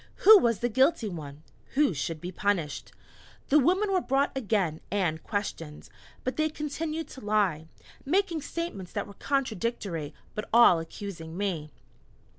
Who was the guilty one? Who should be punished? The women were brought again and questioned. But they continued to lie, making statements that were contradictory, but all accusing me.